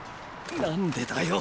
何でだよ！